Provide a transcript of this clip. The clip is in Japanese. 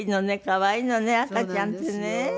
可愛いのね赤ちゃんってね。